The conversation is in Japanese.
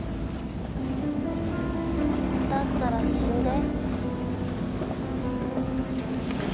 だったら死んで